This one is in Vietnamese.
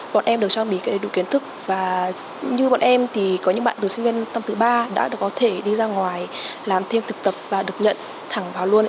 bọn em được trang bị đủ kiến thức và như bọn em thì có những bạn từ sinh viên năm thứ ba đã có thể đi ra ngoài làm thêm thực tập và được nhận thẳng vào luôn